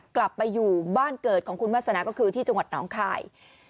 กลับไปอยู่บ้านเกิดของคุณวาสนาก็คือที่จังหวัดหนองคาย